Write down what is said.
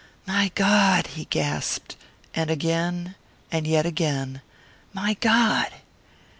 "My God," he gasped; and again, and yet again, "My God!"